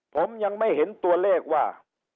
ผมยังไม่เห็นตัวเลขว่า